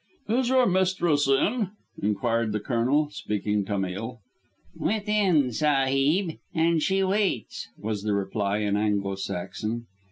"Is your mistress in?" enquired the Colonel, speaking Tamil. "Within, sahib, and she waits," was the reply in Anglo Saxon.